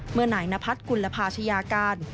เมื่อไหนนาพัดกุลภาษยาการ